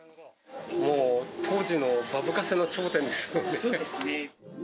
もう、当時のバブカセの頂点ですよね。